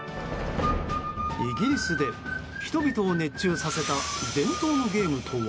イギリスで、人々を熱中させた伝統のゲームとは？